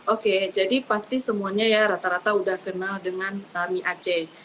oke jadi pasti semuanya ya rata rata udah kenal dengan mie aceh